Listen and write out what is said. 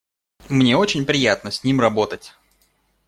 Мне очень приятно с ним работать.